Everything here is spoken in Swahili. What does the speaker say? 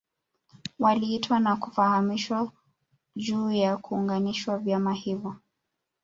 Waliitwa na kufahamishwa juu ya kuunganishwa vyama hivyo